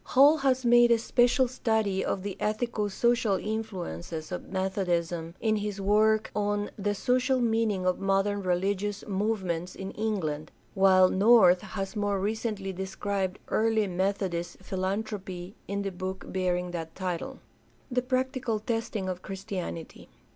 Hall has made a special study of the ethico social influences of Methodism in his work on The Social Meaning of Modern Religious Movements in England, while North has more recently de scribed "Early Methodist Philanthropy" in the book bearing that title. The practical testing of Christianity.